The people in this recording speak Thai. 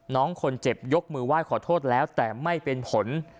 น้องคนเจ็บยกมือไหว้ขอโทษแล้วแต่ไม่เป็นผล